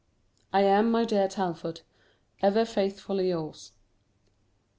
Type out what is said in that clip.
I am, my dear Talfourd, Ever faithfully yours.